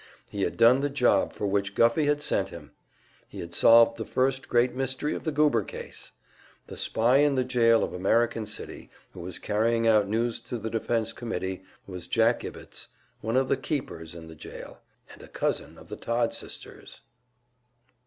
He had done the job for which Guffey had sent him! He had solved the first great mystery of the Goober case! The spy in the jail of American City, who was carrying out news to the Defense Committee, was Jack Ibbetts, one of the keepers in the jail, and a cousin of the Todd sisters!